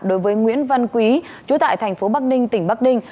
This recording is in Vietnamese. đối với nguyễn văn quý chủ tại tp bắc ninh tỉnh bắc ninh